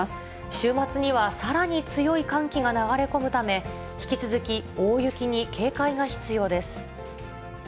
週末にはさらに強い寒気が流れ込むため、引き続き、大雪に警戒が必要です。